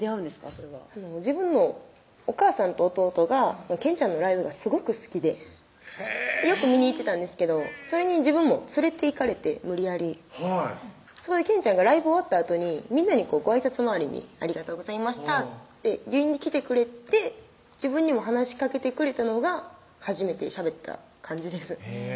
それは自分のお母さんと弟がケンちゃんのライブがすごく好きでへぇよく見に行ってたんですけどそれに自分も連れていかれて無理やりそこでケンちゃんがライブ終わったあとにみんなにごあいさつ回りに「ありがとうございました」って言いに来てくれて自分にも話しかけてくれたのが初めてしゃべった感じです